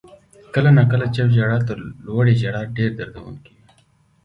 • کله ناکله چپ ژړا تر لوړې ژړا ډېره دردونکې وي.